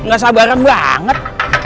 gak sabaran banget